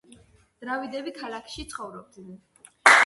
დრავიდები ქალაქში ცხოვრობდნენ.